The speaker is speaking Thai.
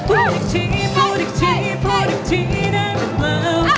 พูดอีกทีพูดอีกทีพูดอีกทีได้ไหมเปล่า